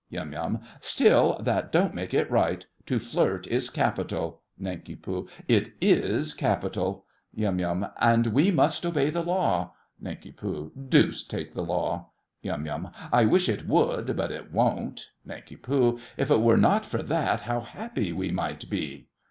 YUM. Still, that don't make it right. To flirt is capital. NANK. It is capital! YUM. And we must obey the law. NANK. Deuce take the law! YUM. I wish it would, but it won't! NANK. If it were not for that, how happy we might be!